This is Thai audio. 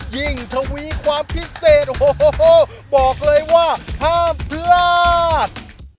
ทวีความพิเศษโอ้โหบอกเลยว่าห้ามพลาด